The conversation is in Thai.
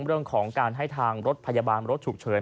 เรื่องของการให้ทางรถพยาบาลรถฉุกเฉิน